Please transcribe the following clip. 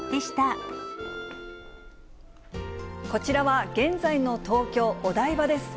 こちらは、現在の東京・お台場です。